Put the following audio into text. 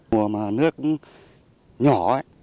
mùa nước nhỏ